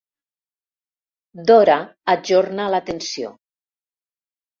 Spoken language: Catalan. Dora ajorna la tensió.